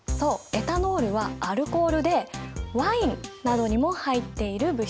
エタノールはアルコールでワインなどにも入っている物質。